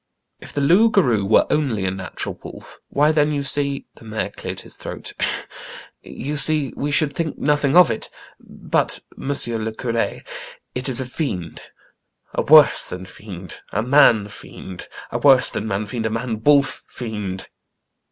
" If .the loup garou were only a natural wolf, why then, you see" — the mayor cleared his throat — "you see we should think nothing of it ; hut, M. le Cur6, it is a fiend, a worse than fiend, a man fiend, — a worse than man fiend, a man wolf fiend."